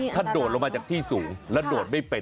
ถ้าโดดลงมาจากที่สูงแล้วโดดไม่เป็น